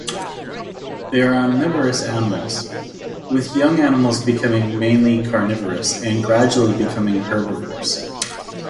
They are omnivorous animals, with young animals being mainly carnivorous and gradually becoming herbivorous.